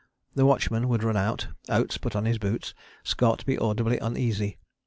The watchman would run out, Oates put on his boots, Scott be audibly uneasy.